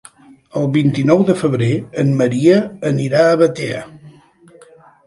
El vint-i-nou de febrer en Maria anirà a Batea.